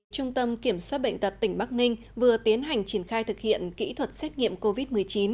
trung tâm kiểm soát bệnh tật tỉnh bắc ninh vừa tiến hành triển khai thực hiện kỹ thuật xét nghiệm covid một mươi chín